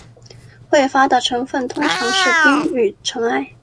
彗发的成分通常是冰与尘埃。